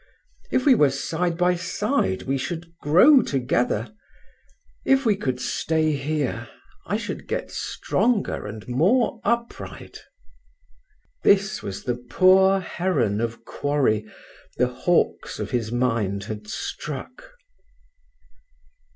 If we were side by side we should grow together. If we could stay here, I should get stronger and more upright." This was the poor heron of quarry the hawks of his mind had struck.